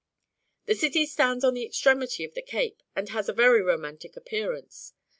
The city stands on the extremity of the cape, and has a very romantic appearance.